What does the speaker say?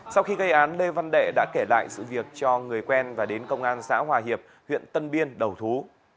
sau khi gây án lê văn đệ đã kể lại sự việc cho người quen và đến công an xã hòa hiệp huyện tân biên đầu thú